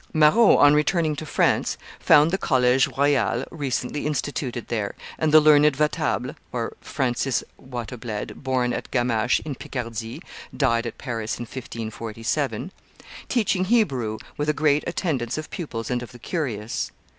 Marot, on returning to France, found the College Royal recently instituted there, and the learned Vatable [Francis Watebled, born at Gamaches, in Picardy, died at Paris in 1547] teaching Hebrew with a great attendance of pupils and of the curious.